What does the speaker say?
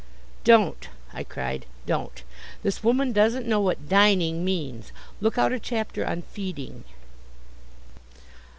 '" "Don't," I cried; "don't. This woman doesn't know what dining means. Look out a chapter on feeding."